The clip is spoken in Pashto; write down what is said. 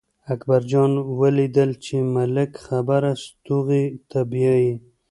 اکبر جان ولیدل چې ملک خبره ستوغې ته بیايي.